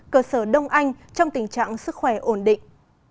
cơ sở đông anh trong tình trạng sức khỏe ổn định